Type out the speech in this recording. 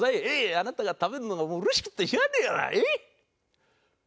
あなたが食べるのがもううれしくってしゃあねえがな。